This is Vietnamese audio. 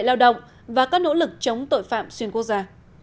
lao động và các nỗ lực chống tội phạm xuyên quốc gia